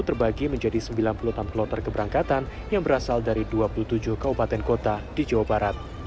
terbagi menjadi sembilan puluh tanpa loter keberangkatan yang berasal dari dua puluh tujuh kaupaten kuota di jawa barat